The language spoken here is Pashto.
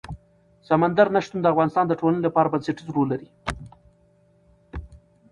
سمندر نه شتون د افغانستان د ټولنې لپاره بنسټيز رول لري.